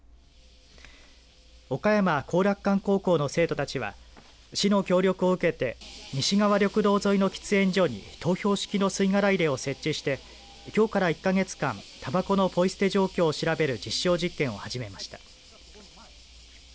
岡山後楽館高校の生徒たちは市の協力を受けて西川緑道沿いの喫煙者に投票式の吸い殻入れを設置してきょうから１か月間たばこのポイ捨て状況を調べる実証実験を始めました。